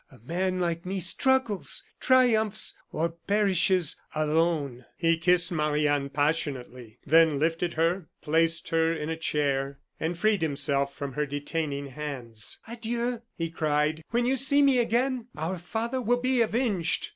A man like me struggles, triumphs, or perishes alone." He kissed Marie Anne passionately, then lifted her, placed her in a chair, and freed himself from her detaining hands. "Adieu!" he cried; "when you see me again, our father will be avenged!"